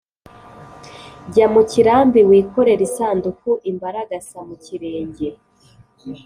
jya mu kirambi wikorere isanduku-imbaragasa mu kirenge.